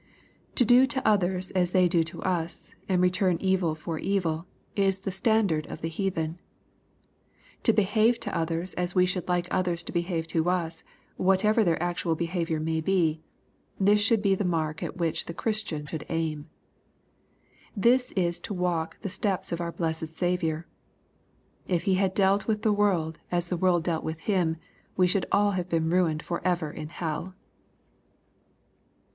To do to others as they do to us, and return evil for evil, is the standard of the heathen. To behave to others as we should like others to behave to us, whatever their actual behavior may be, — ^this should be the mark at which the Christian should aim. This is to walk in the steps of our blessed Saviour. If He had dealt with the world as the world dealt with Him, we should all have been ruined forever in hell.